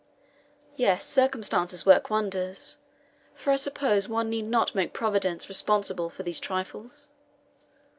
Yes, circumstances work wonders; for I suppose one need not make Providence responsible for these trifles?